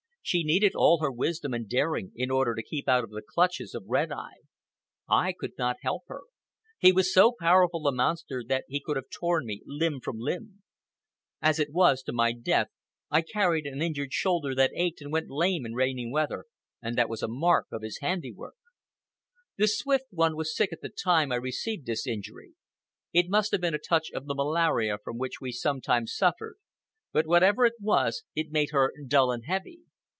She needed all her wisdom and daring in order to keep out of the clutches of Red Eye. I could not help her. He was so powerful a monster that he could have torn me limb from limb. As it was, to my death I carried an injured shoulder that ached and went lame in rainy weather and that was a mark of his handiwork. The Swift One was sick at the time I received this injury. It must have been a touch of the malaria from which we sometimes suffered; but whatever it was, it made her dull and heavy.